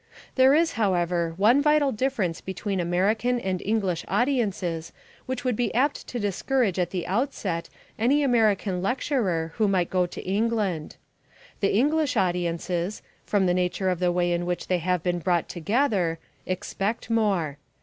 There is, however, one vital difference between American and English audiences which would be apt to discourage at the outset any American lecturer who might go to England. The English audiences, from the nature of the way in which they have been brought together, expect more.